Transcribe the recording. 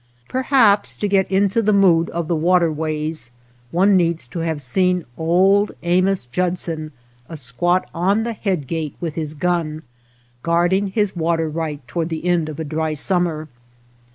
Perhaps to get into the mood of the .waterways one needs to have seen old /Amos Judson asquat on the headgate with his gun, guarding his water right toward \the end of a dry summer.